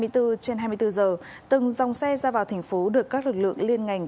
hai mươi bốn trên hai mươi bốn giờ từng dòng xe ra vào thành phố được các lực lượng liên ngành